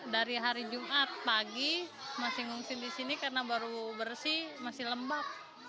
dari hari jumat pagi masih ngungsi di sini karena baru bersih masih lembab